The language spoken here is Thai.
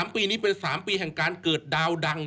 ปีนี้เป็น๓ปีแห่งการเกิดดาวดัง